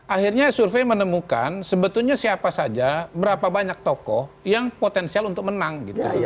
akhirnya survei menemukan sebetulnya siapa saja berapa banyak tokoh yang potensial untuk menang